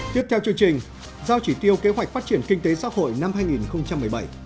tiếp theo chương trình giao chỉ tiêu kế hoạch phát triển kinh tế xã hội năm hai nghìn một mươi bảy